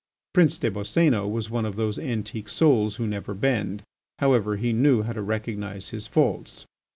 Prince des Boscénos was one of those antique souls who never bend. However, he knew how to recognise his faults.